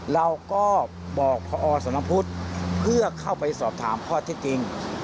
เราก็บอกพอสนพุทธเพื่อเข้าไปสอบถามข้อที่จริง